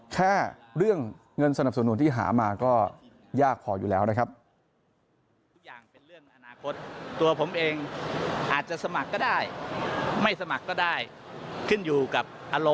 แค่เรื่องเงินสนับสนุนที่หามาก็ยากพออยู่แล้วนะครับ